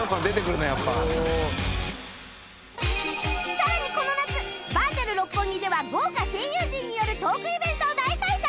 さらにこの夏バーチャル六本木では豪華声優陣によるトークイベントを大開催